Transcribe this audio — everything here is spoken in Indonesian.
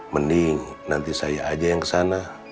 mending nanti saya aja yang kesana